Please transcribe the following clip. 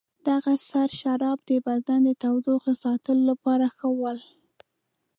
دغه سره شراب د بدن د تودوخې ساتلو لپاره ښه ول.